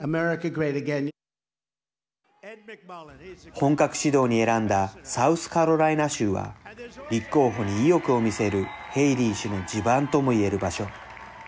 本格始動に選んだサウスカロライナ州は立候補に意欲を見せるヘイリー氏の地盤とも言える場所。